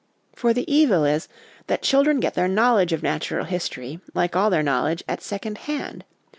For the evil is, that children get their knowledge of natural history, like all their know ledge, at second hand.